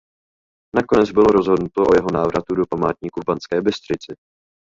Nakonec bylo rozhodnuto o jeho návratu do památníku v Banské Bystrici.